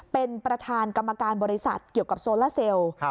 เป็นประธานกรรมการบริษัทเกี่ยวกับโซล่าเซล